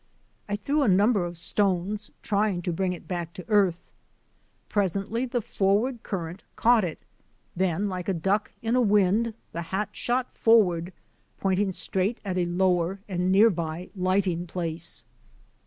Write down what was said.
I threw a number of stones, trying to bring it back to earth. Presently the forward cur rent caught it. Then like a duck in a wind the 9 o THE ADVENTURES OF A NATURE GUIDE hat shot forward, pointing straight at a lower and near by lighting place.